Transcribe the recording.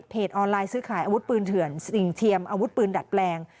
ออนไลน์ซื้อขายอาวุธปืนเถื่อนสิ่งเทียมอาวุธปืนดัดแปลง